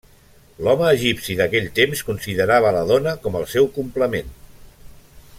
L'home egipci d'aquell temps considerava la dona com el seu complement.